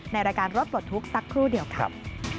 ในรายการรถปลดทุกข์สักครู่เดียวครับ